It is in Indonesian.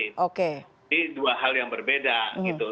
jadi dua hal yang berbeda gitu